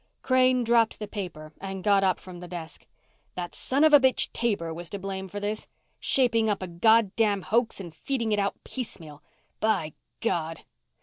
Crane dropped the paper and got up from the desk. That son of a bitch Taber was to blame for this. Shaping up a goddamn hoax and feeding it out piecemeal. By God